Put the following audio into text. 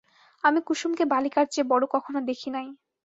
আমি কুসুমকে বালিকার চেয়ে বড়ো কখনো দেখি নাই।